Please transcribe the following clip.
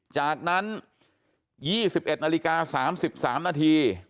จากนั้นยี่สิบเอ็ดนาฬิกาสามสิบสามนาที